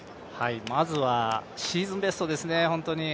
まずはシーズンベストですね、本当に。